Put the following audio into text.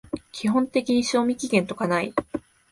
基本的に賞味期限とかない